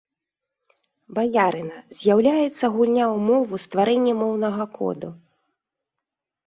Баярына, з'яўляецца гульня ў мову, стварэнне моўнага коду.